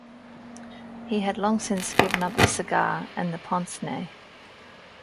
He had long since given up the cigar and pince-nez.